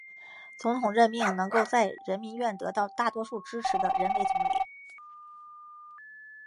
总统任命能够在人民院得到大多数支持的人为总理。